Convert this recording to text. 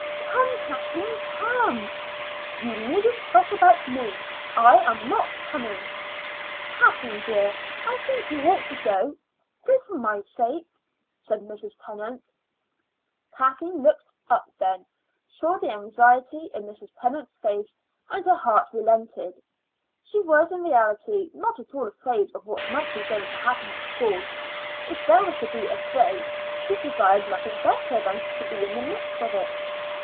"Come, Kathleen; come." "You needn't fuss about me; I am not coming." "Kathleen, dear, I think you ought to go. Go for my sake," said Mrs. Tennant. Kathleen looked up then, saw the anxiety in Mrs. Tennant's face, and her heart relented. She was in reality not at all afraid of what might be going to happen at school. If there was to be a fray, she desired nothing better than to be in the midst of it.